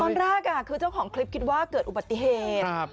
ตอนแรกคือเจ้าของคลิปคิดว่าเกิดอุบัติเหตุ